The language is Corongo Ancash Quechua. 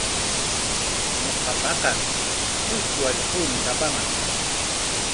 Ñuqapaqa trusku allquumi kapaman.